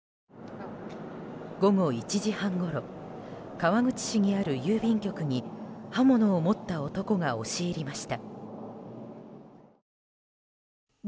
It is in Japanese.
午後１時半ごろ川口市にある郵便局に刃物を持った男が押し入りました。